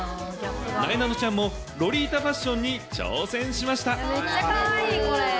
なえなのちゃんもロリータファッションに挑戦しました。